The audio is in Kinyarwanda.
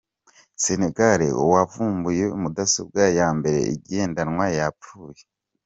Senegare wavumbuye mudasobwa ya mbere igendanwa yapfuye